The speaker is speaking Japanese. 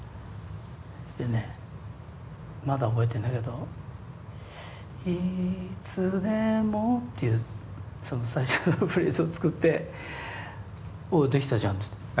でねまだ覚えてんだけど「いつでも」っていう最初のフレーズを作っておおできたじゃん。